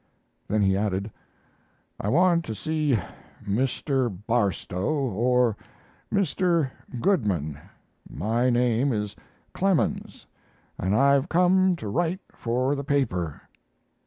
Then he added: "I want to see Mr. Barstow, or Mr. Goodman. My name is Clemens, and I've come to write for the paper."